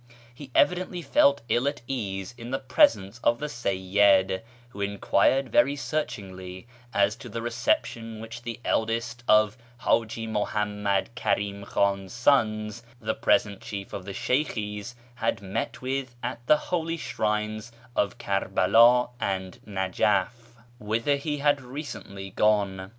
He evidently felt ill at ease in the presence of the Seyyid, who enquired very searchingly as to the reception which the eldest of Haji Muhammad Karim Khan's sons, the present chief of the Sheykhis, had met with at the holy shrines of Kerbela and Nejef, whither he had recently gone.